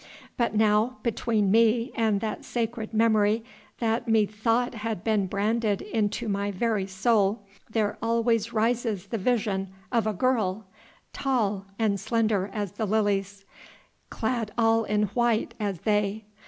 But now, between me and that sacred memory that methought had been branded into my very soul, there always rises the vision of a girl, tall and slender as the lilies, clad all in white as they.